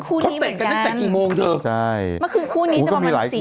ความเต็มระดับตัวตัวกับคนดูฟุตบอลไงก็ก็มีหลายคู่